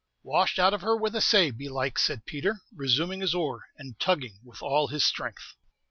"Washed out of her with a say, belike," said Peter, resuming his oar, and tugging with all his strength.